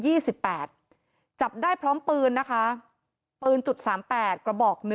ชีวิตของตัวเทียมอายุ๒๘จับได้พร้อมปืนนะคะปืนจุด๓๘กระบอก๑